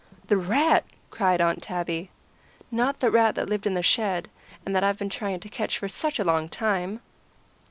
"The rat!" cried Aunt Tabby. "Not the rat that lived in the shed, and that I've been trying to catch for such a long time!"